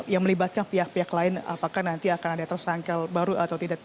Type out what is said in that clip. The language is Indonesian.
yang melibatkan pihak pihak lain apakah nanti akan ada tersangka baru atau tidak